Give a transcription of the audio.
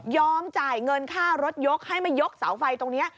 จ่ายเงินค่ารถยกให้มายกเสาไฟตรงนี้